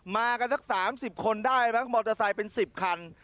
มากันสัก๓๐คนได้มั้งมอเตอร์ไซค์เป็น๑๐คัน